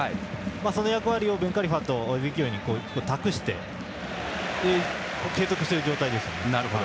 その役割をベンカリファとエゼキエウに託して継続している状態ですね。